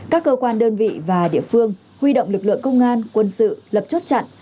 các cơ quan đơn vị và địa phương huy động lực lượng công an quân sự lập chốt chặn